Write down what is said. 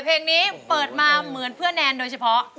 เพลงนี้เปิดมาเหมือนเพื่อแนนโดยเฉพาะ